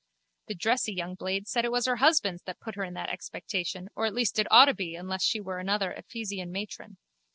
The dressy young blade said it was her husband's that put her in that expectation or at least it ought to be unless she were another Ephesian matron.